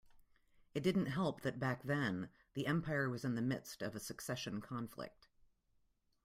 It didn't help that back then the empire was in the midst of a succession conflict.